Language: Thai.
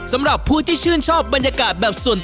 สำหรับผู้ที่ชื่นชอบบรรยากาศแบบสุด